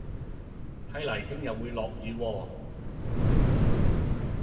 睇嚟聽日會落雨喎